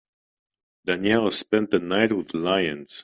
Danielle has spent the night with lions.